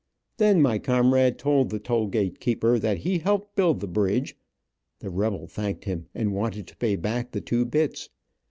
Then my comrade told the toll gate keeper that he helped build the bridge, the rebel thanked him, and wanted to pay back the two bits.